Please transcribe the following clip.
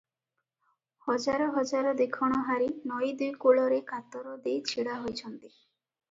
ହଜାର ହଜାର ଦେଖଣହାରୀ ନଈ ଦୁଇ କୂଳରେ କାତାର ଦେଇ ଛିଡ଼ା ହୋଇଛନ୍ତି ।